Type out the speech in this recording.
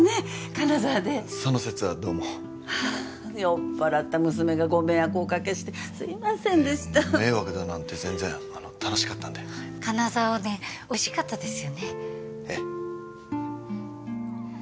金沢でその節はどうも酔っ払った娘がご迷惑をおかけしてすいませんでした迷惑だなんて全然楽しかったんで金沢おでんおいしかったですよねええ